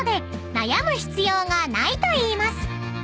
［悩む必要がないと言います］